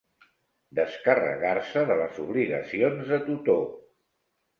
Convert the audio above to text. Descarregar-se de les obligacions de tutor.